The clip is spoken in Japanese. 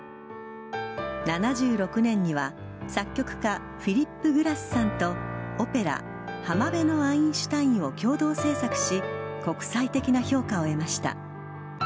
７６年には作曲家フィリップ・グラスさんとオペラ「浜辺のアインシュタイン」を共同制作し国際的な評価を得ました。